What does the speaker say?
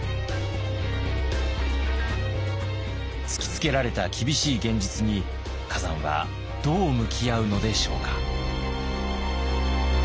突きつけられた厳しい現実に崋山はどう向き合うのでしょうか。